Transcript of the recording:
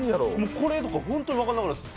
これとか本当に分からないです、